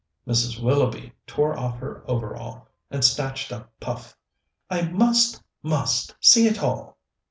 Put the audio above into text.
Mrs. Willoughby tore off her overall and snatched up Puff. "I must, must see it all!"